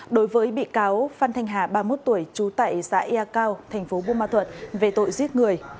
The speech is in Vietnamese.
đối với bị cáo phan thanh hà ba mươi một tuổi chú tại xã ea cao thành phố bù ma thuận về tội giết người